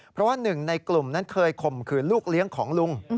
เพราะว่าหนึ่งในกลุ่มนั้นเคยข่มขืนลูกเลี้ยงของลุง